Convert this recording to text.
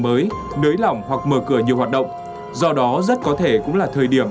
mới nới lỏng hoặc mở cửa nhiều hoạt động do đó rất có thể cũng là thời điểm